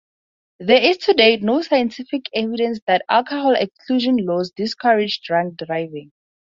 There is to date no scientific evidence that alcohol exclusion laws discourage drunk driving.